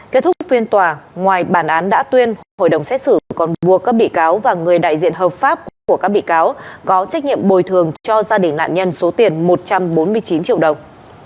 kết thúc phiên tòa ngoài bản án đã tuyên hội đồng xét xử còn buộc các bị cáo và người đại diện hợp pháp của các bị cáo có trách nhiệm bồi thường cho gia đình nạn nhân số tiền một trăm bốn mươi chín triệu đồng